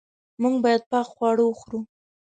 موږ باید پاک خواړه وخورو.